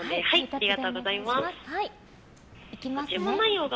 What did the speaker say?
ありがとうございます。